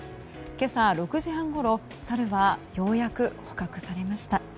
今朝６時半ごろサルはようやく捕獲されました。